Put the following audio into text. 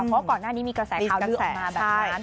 เพราะว่าก่อนหน้านี้มีกระแสข่าวลือออกมาแบบนั้น